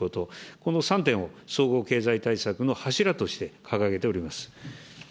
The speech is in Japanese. この３点を総合経済対策の柱として掲げております。